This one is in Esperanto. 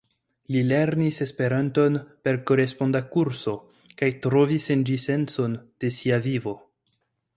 Li lernis Esperanton per koresponda kurso kaj trovis en ĝi sencon de sia vivo.